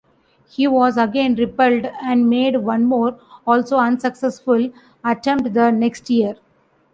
He was again repelled, and made one more, also unsuccessful attempt the next year.